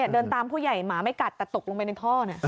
เดินตามผู้ใหญ่หมาไม่กัดแต่ตกลงไปในท่อ